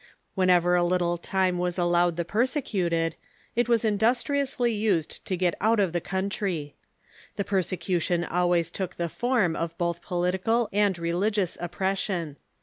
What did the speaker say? ^^'henever a little time Avas alloAved the persecuted, it was industriously used to get out of the country. The perse cution always took the form of both political and religious oppression.